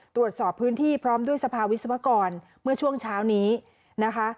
ตรวจสอบพื้นที่พร้อมด้วยสภาวิศวกรเมื่อช่วงเช้านี้นะคะ